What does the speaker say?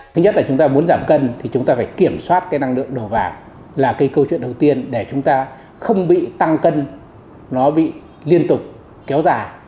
thứ nhất là chúng ta muốn giảm cân thì chúng ta phải kiểm soát cái năng lượng đầu vào là cái câu chuyện đầu tiên để chúng ta không bị tăng cân nó bị liên tục kéo dài